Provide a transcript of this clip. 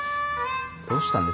どうしたんですか？